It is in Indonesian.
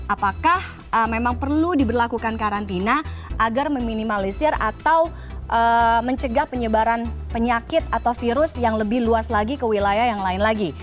apakah memang perlu diberlakukan karantina agar meminimalisir atau mencegah penyebaran penyakit atau virus yang lebih luas lagi ke wilayah yang lain lagi